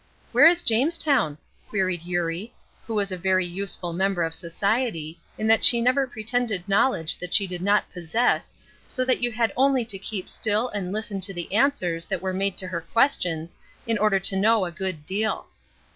"Where is Jamestown?" queried Eurie, who was a very useful member of society, in that she never pretended knowledge that she did not possess, so that you had only to keep still and listen to the answers that were made to her questions in order to know a good deal.